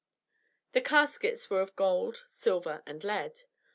The caskets were of gold, silver, and lead.